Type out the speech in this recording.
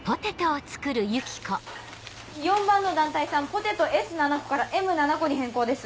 ４番の団体さんポテトＳ７個からＭ７個に変更です。